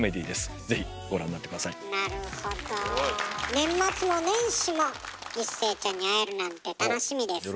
年末も年始も一生ちゃんに会えるなんて楽しみですね。